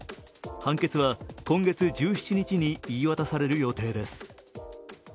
判決は今月１７日に言い渡される予定です。